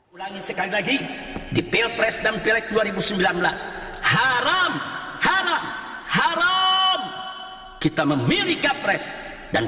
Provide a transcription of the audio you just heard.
dua ratus dua belas ulangi sekali lagi di pilpres dan pirek dua ribu sembilan belas haram haram haram kita memiliki capres dan